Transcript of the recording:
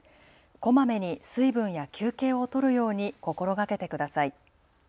こまめに水分や休憩をとるように心がけてください。